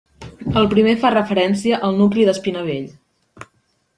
El primer fa referència al nucli d'Espinavell.